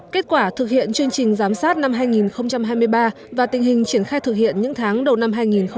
kết quả thực hiện chương trình giám sát năm hai nghìn hai mươi ba và tình hình triển khai thực hiện những tháng đầu năm hai nghìn hai mươi bốn